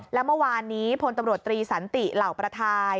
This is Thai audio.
และเมื่อวานนี้พลตำรวจตรีสันติเหล่าประทาย